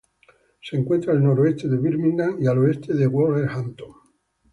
Se encuentra al noroeste de Birmingham y al este de Wolverhampton.